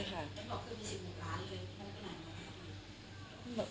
มันบอกว่าจะเป็น๑๐หนึ่งร้านเลยค่อนข้างหน่อย